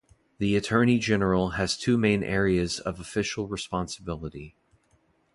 The Attorney-General has two main areas of official responsibility.